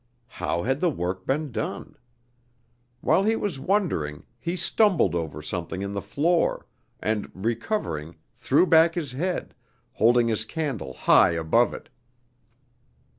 How had the work been done? While he was wondering, he stumbled over something in the floor, and, recovering, threw back his head, holding his candle high above it.